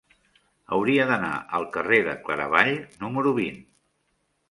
Hauria d'anar al carrer de Claravall número vint.